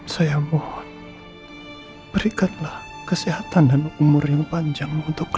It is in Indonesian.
saya mohon berikanlah kesehatan dan umur yang panjang untuk kita